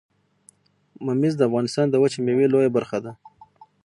ممیز د افغانستان د وچې میوې لویه برخه ده